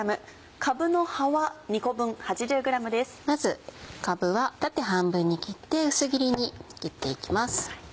まずかぶは縦半分に切って薄切りに切って行きます。